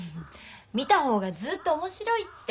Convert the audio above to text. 見た方がずっと面白いって。